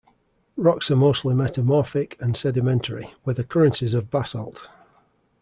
Rocks are mostly metamorphic and sedimentary, with occurrences of basalt.